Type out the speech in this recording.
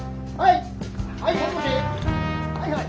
はい。